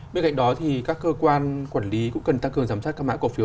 bên cạnh đó thì các cơ quan quản lý cũng cần tăng cường giám sát các mã cổ phiếu